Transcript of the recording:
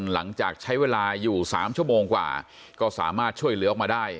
หลังจากใช้เวลาอยู่๓ชั่วโมงกว่าก็สามารถช่วยเหลือออกมาได้